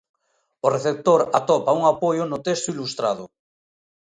O receptor atopa un apoio no texto ilustrado.